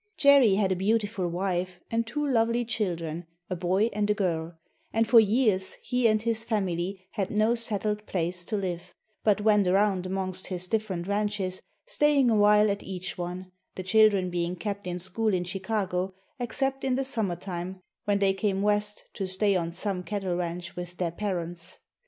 Jerry had a beautiful wife and two lovely children, a boy and a girl, and for years he and his family had no settled place to live, but went around amongst his different ranches, staying awhile at each one, the children being kept in school in Chicago, except in the summer time when they came West to stay on some cattle ranch with their parents.